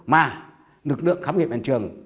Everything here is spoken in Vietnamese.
mà lực lượng khám nghiệm hình trường